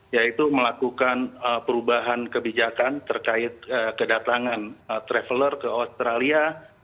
yaitu melakukan perubahan kebijakan terkait kedatangan traveler ke australia